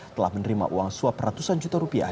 telah menerima uang suap ratusan juta rupiah